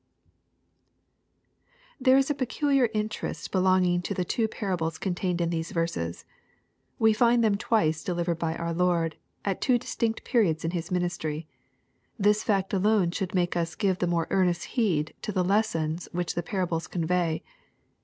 There is a peculiar interest belonging to the two pt a^ bles contained in these verses. We find them twice delivered bj our Lord, and at two distinct periods in His ministry. This fact alone should make us give the more earnest heed to the lessons which the parables convey.